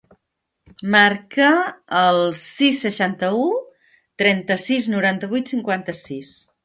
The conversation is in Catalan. Marca el sis, seixanta-u, trenta-sis, noranta-vuit, cinquanta-sis.